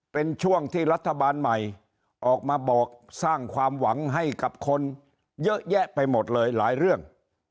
เป็นช่วงที่รัฐบาลใหม่ออกมาบอกสร้างความหวังให้กับคนเยอะแยะไปหมดเลยหลายเรื่อง